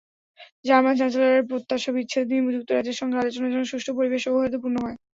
German চ্যান্সেলরের প্রত্যাশা, বিচ্ছেদ নিয়ে যুক্তরাজ্যের সঙ্গে আলোচনা যেন সুষ্ঠু পরিবেশে সৌহার্দ্যপূর্ণ হয়।